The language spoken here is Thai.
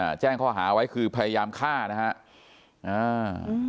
แจ้งข้อหาไว้คือพยายามฆ่านะฮะอ่า